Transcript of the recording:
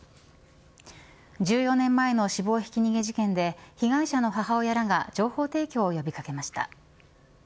１４年前の死亡ひき逃げ事件で被害者の母親らが情報提供を呼び掛けました。